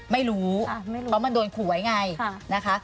ไม่รู้เพราะมันโดนขู่ไว้ไงนะคะ